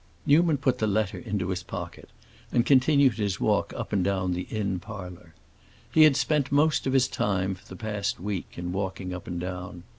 Newman put the letter into his pocket, and continued his walk up and down the inn parlor. He had spent most of his time, for the past week, in walking up and down.